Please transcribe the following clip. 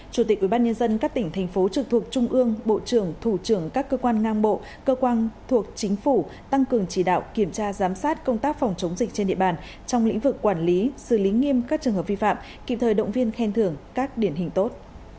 chủ tịch ubnd các tỉnh thành phố trực thuộc trung ương bộ trưởng thủ trưởng các cơ quan ngang bộ cơ quan thuộc chính phủ tăng cường chỉ đạo kiểm tra giám sát công tác phòng chống dịch trên địa bàn trong lĩnh vực quản lý xử lý nghiêm các trường hợp vi phạm kịp thời động viên khen thưởng các điển hình tốt